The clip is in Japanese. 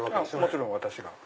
もちろん私が。